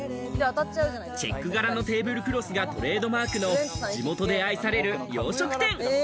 チェック柄のテーブルクロスがトレードマークの地元で愛される洋食店。